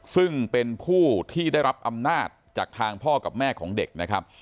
ซึ่งเป็นผู้ที่ได้รับอำนาจจากทางพ่อกับแม่ของเด็กนะครับ